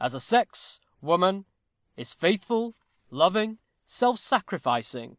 As a sex, woman is faithful, loving, self sacrificing.